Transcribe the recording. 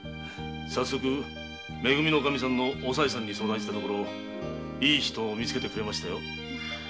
早速「め組」のオカミさんに相談したところいい人を見つけてくれましたよ。